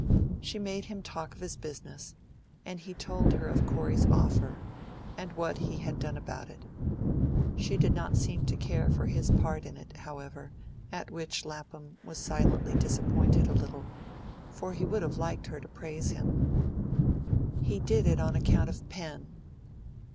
She made him talk of his business, and he told her of Corey's offer, and what he had done about it. She did not seem to care for his part in it, however; at which Lapham was silently disappointed a little, for he would have liked her to praise him. "He did it on account of Pen!"